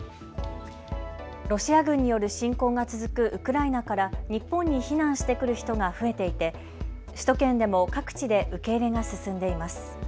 ロシア軍による侵攻が続くウクライナから日本に避難してくる人が増えていて首都圏でも各地で受け入れが進んでいます。